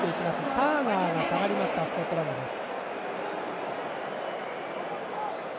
ターナーが下がりましたスコットランドです。